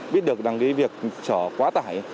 biết được rằng cái việc chở quá tải